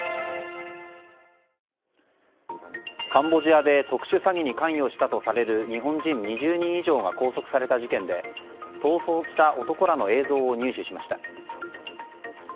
カンボジアで特殊詐欺に関与したとされる日本人２０人以上が拘束された事件で逃走した男らの映像を入手しました。